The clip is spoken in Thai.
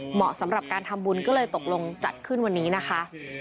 เหมาะสำหรับการทำบุญก็เลยตกลงจัดขึ้นวันนี้นะคะ